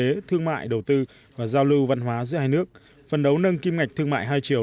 kinh tế thương mại đầu tư và giao lưu văn hóa giữa hai nước phân đấu nâng kim ngạch thương mại hai triệu